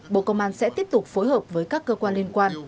bộ công an sẽ tiếp tục phối hợp với các cơ quan liên quan